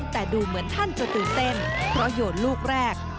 แต่ดูเหมือนท่านจะตื่นเต้นเพราะโยนลูกแรก